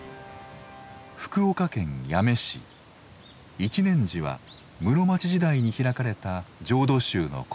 一念寺は室町時代に開かれた浄土宗の古刹。